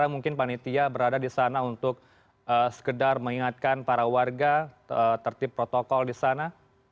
mungkin panitia berada di sana untuk sekedar mengingatkan para warga tertip protokol di sana